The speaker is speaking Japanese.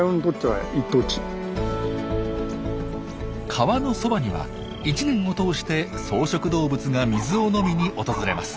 川のそばには一年を通して草食動物が水を飲みに訪れます。